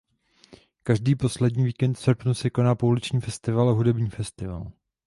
Každý poslední víkend v srpnu se koná Pouliční festival a Hudební festival.